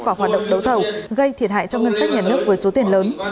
và hoạt động đấu thầu gây thiệt hại cho ngân sách nhà nước với số tiền lớn